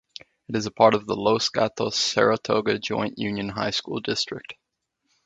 It is part of the Los Gatos-Saratoga Joint Union High School District.